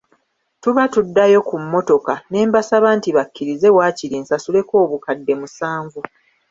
Tuba tuddayo ku mmotoka ne mbasaba nti bakkirize waakiri nsasuleko obukadde musanvu.